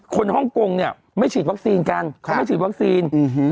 ฮ่องกงเนี่ยไม่ฉีดวัคซีนกันเขาไม่ฉีดวัคซีน